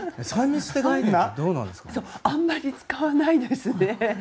あまり使わないですね